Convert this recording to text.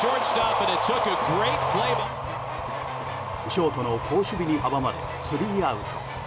ショートの好守備に阻まれスリーアウト。